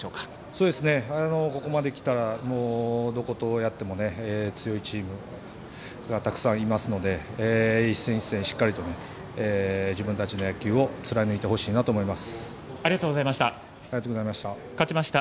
ここまできたらもうどことやっても強いチームがたくさんいますので一戦一戦、しっかりと自分たちの野球を貫いてほしいなありがとうございました。